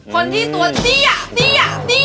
คนที่ตัวเตี้ยเตี้ย